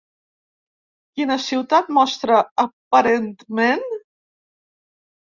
Quina ciutat mostra aparentment?